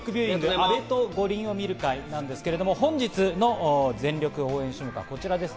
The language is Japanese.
「阿部と五輪を見る会」、本日の全力応援種目はこちらです。